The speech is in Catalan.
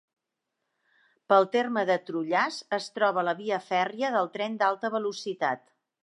Pel terme de Trullars es troba la via fèrria del tren d'alta velocitat.